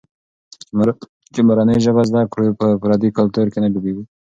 چي مورنۍ ژبه زده کړو، په پردي کلتور کې نه ډوبېږو.